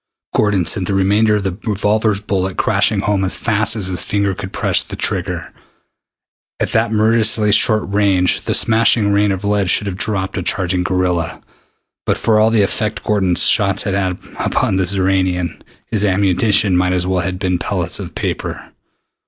Gordon sent the remainder of the revolver's bullets crashing home as fast as his finger could press the trigger. At that murderously short range the smashing rain of lead should have dropped a charging gorilla. But for all the effect Gordon's shots had upon the Xoranian, his ammunition might as well have been pellets of paper.